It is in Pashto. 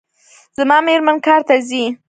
زما میرمن کار ته ځي